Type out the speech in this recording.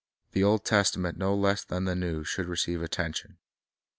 The Old Testament no less than the New should receive attention.